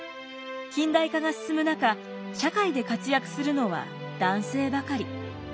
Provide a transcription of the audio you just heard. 近代化が進む中社会で活躍するのは男性ばかり。